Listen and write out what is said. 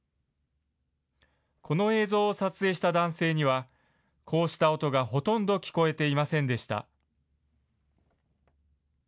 この映像を撮影した男性には、こうした音がほとんど聞こえていませんでした。